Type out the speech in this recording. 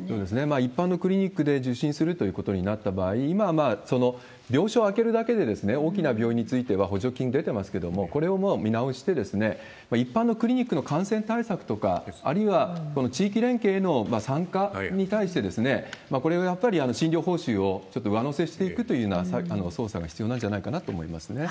一般のクリニックで受診するということになった場合、今は病床を空けるだけで、大きな病院については補助金出てますけれども、これをもう見直して、一般のクリニックの感染対策とか、あるいは地域連携への参加に対して、これをやっぱり診療報酬をちょっと上乗せしていくというような操作が必要なんじゃないかなと思いますね。